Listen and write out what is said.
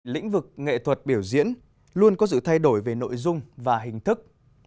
lĩnh vực nghệ thuật biểu diễn luôn có sự thay đổi về nội dung và hình thức